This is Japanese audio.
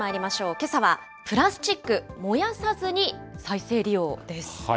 けさは、プラスチック燃やさずに再生利用です。